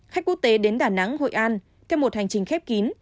khách quốc tế đến đà nẵng hội an thêm một hành trình khép kín